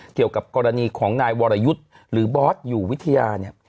เกี่ยวกับกรณีของนายวรยุทธ์หรือบอสอยู่วิทยาเนี่ย